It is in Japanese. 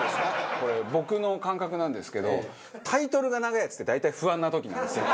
これ僕の感覚なんですけどタイトルが長いやつって大体不安な時なんですよ。